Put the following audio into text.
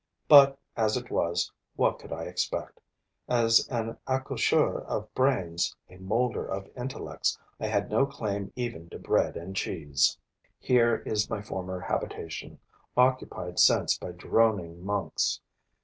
But, as it was, what could I expect? As an accoucheur of brains, a molder of intellects, I had no claim even to bread and cheese. Here is my former habitation, occupied since by droning monks.